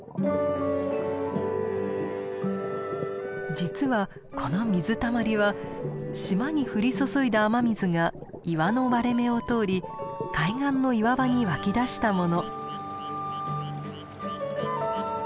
実はこの水たまりは島に降り注いだ雨水が岩の割れ目を通り海岸の岩場に湧き出したもの。